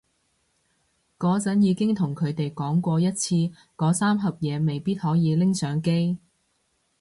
嗰陣已經同佢哋講過一次嗰三盒嘢未必可以拎上機